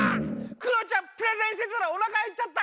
クヨちゃんプレゼンしてたらおなかへっちゃった！